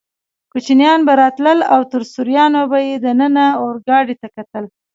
کوچنیان به راتلل او تر سوریانو به یې دننه اورګاډي ته کتل.